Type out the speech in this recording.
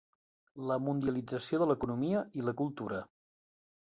La mundialització de l'economia i la cultura.